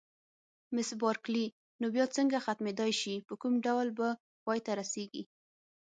مس بارکلي: نو بیا څنګه ختمېدای شي، په کوم ډول به پای ته رسېږي؟